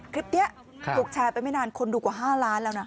คลิปนี้ถูกแชร์ไปไม่นานคนดูกว่า๕ล้านแล้วนะ